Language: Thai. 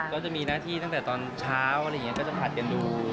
ก็จะมีหน้าที่ตั้งแต่ตอนเช้าอะไรอย่างนี้ก็จะผัดกันดู